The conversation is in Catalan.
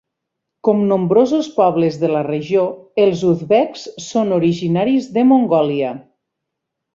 Com nombrosos pobles de la regió, els uzbeks són originaris de Mongòlia.